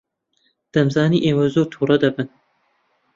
دەمزانی ئێوە زۆر تووڕە دەبن.